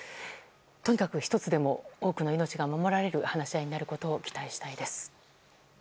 とにかく１つでも多くの命が守られる話し合いになることを期待したいです。